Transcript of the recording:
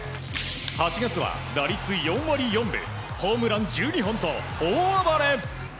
８月は打率４割４分ホームラン１２本と大暴れ。